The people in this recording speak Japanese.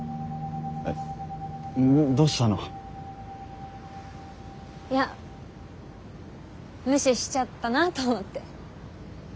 どしたの？や無視しちゃったなと思って。